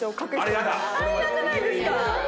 あれやだあれ嫌じゃないですか？